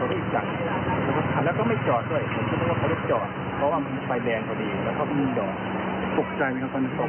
บีบแสนั้นหลายทีนั้นก็พี่ยามขับตาม